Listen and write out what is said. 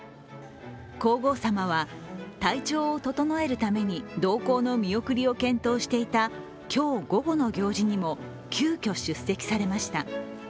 皇后さまは、体調を整えるために同行の見送りを検討していた今日午後の行事にも急きょ出席されました。